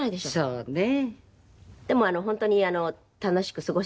そうね